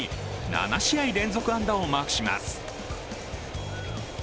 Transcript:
７試合連続安打をマークします。